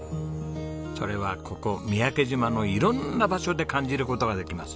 それはここ三宅島の色んな場所で感じる事ができます。